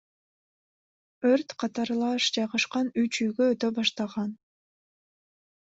Өрт катарлаш жайгашкан үч үйгө өтө баштаган.